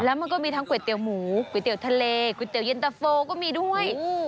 แล้วมันก็มีทั้งก๋วยเตี๋ยวหมูก๋วยเตี๋ยวทะเลก๋วยเตี๋ยินตะโฟก็มีด้วย